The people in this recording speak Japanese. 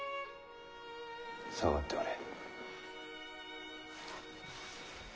下がっておれ。